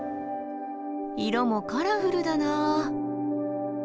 色もカラフルだなぁ。